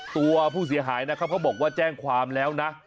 ตัวผู้เสียหายนะครับเขาบอกว่าแจ้งความแล้วนะ